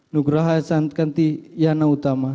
nugraha santkanti yana utama